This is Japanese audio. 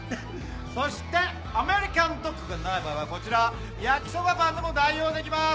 そしてアメリカンドッグがない場合はこちら焼きそばパンでも代用できます！